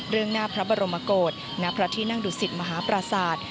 เรื่องหน้าพระบรมโกศณพระตินั่งดุศิษย์มหาประสาท